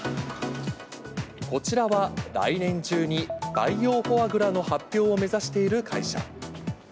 こちらは来年中に培養フォアグラの発表を目指している会社。